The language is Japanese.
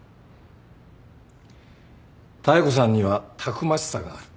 妙子さんにはたくましさがある。